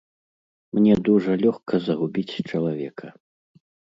Мне дужа лёгка загубіць чалавека.